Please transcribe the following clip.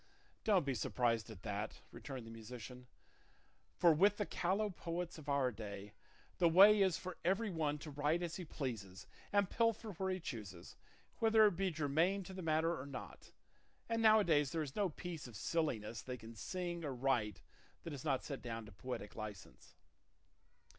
"Don't be surprised at that," returned the musician; "for with the callow poets of our day the way is for every one to write as he pleases and pilfer where he chooses, whether it be germane to the matter or not, and now a days there is no piece of silliness they can sing or write that is not set down to poetic licence."